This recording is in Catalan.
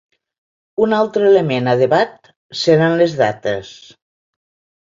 Un altre element a debat seran les dates.